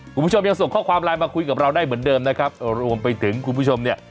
คุณผู้ชมยังส่งข้อความไลน์มาคุยกับเราได้เหมือนเดิมนะครับรวมไปถึงคุณผู้ชมเนี่ย